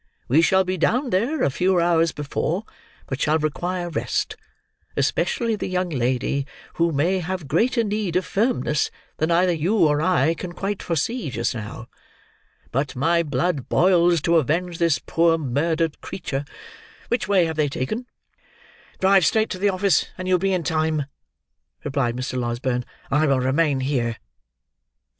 We shall be down there, a few hours before, but shall require rest: especially the young lady, who may have greater need of firmness than either you or I can quite foresee just now. But my blood boils to avenge this poor murdered creature. Which way have they taken?" "Drive straight to the office and you will be in time," replied Mr. Losberne. "I will remain here."